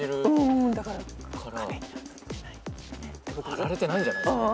貼られてないんじゃないですか？